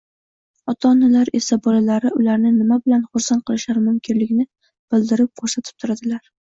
ota-onalar esa bolalari ularni nima bilan xursand qilishlari mumkinligini bildirib-ko‘rsatib turadilar.